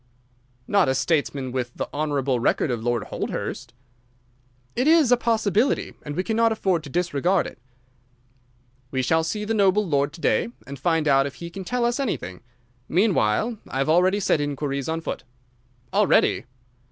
"Not a statesman with the honourable record of Lord Holdhurst?" "It is a possibility and we cannot afford to disregard it. We shall see the noble lord to day and find out if he can tell us anything. Meanwhile I have already set inquiries on foot." "Already?"